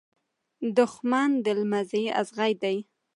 دښمن د لمڅی ازغي دی .